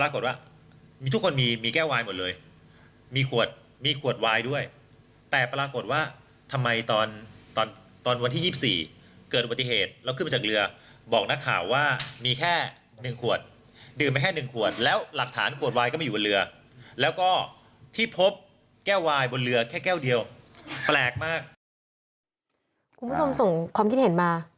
คุณผู้ชมส่งความคิดเห็นมา